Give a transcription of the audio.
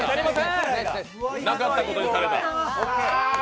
なかったことにされた。